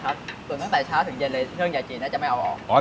เครื่องยาจีนจะไม่เอาออก